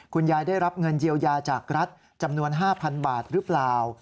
ได้รับเงินเยียวยาจากรัฐจำนวน๕๐๐๐บาทหรือเปล่า